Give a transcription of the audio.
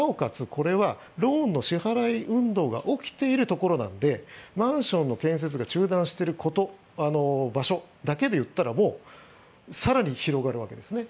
これはローンの支払い運動が起きているところなのでマンションの建設が中断している場所だけで言ったら更に広がるわけですね。